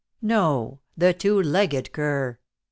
'' No, the two legged cur.